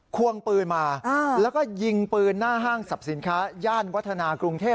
ควงปืนมาแล้วก็ยิงปืนหน้าห้างสรรพสินค้าย่านวัฒนากรุงเทพ